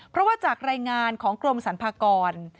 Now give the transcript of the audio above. เพราะว่าจากรายงานของกรมสรรพากร